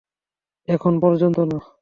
এখনও পর্যন্ত না।